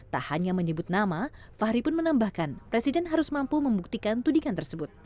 tak hanya menyebut nama fahri pun menambahkan presiden harus mampu membuktikan tudingan tersebut